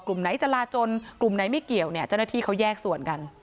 กลุ่มไหนจราจนกลุ่มไหนไม่เกี่ยวเนี่ยเจ้าหน้าที่เขาแยกส่วนกัน